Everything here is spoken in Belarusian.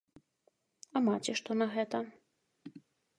А маці што на гэта?